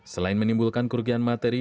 selain menimbulkan kerugian materi